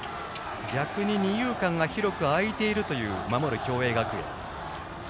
逆に二遊間が広く空いている守る共栄学園。